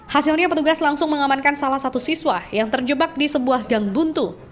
hasilnya petugas langsung mengamankan salah satu siswa yang terjebak di sebuah gang buntu